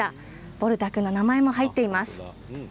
ボルタ君の名前も入っています。